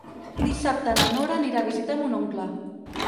Dissabte na Nora anirà a visitar mon oncle.